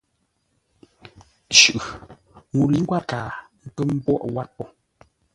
Shʉʼʉ.Ŋuu lə̌i ngwát kaa, ə́ nkə́ mbwóghʼ wâr po.